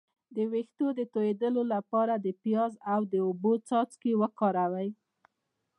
د ویښتو د تویدو لپاره د پیاز او اوبو څاڅکي وکاروئ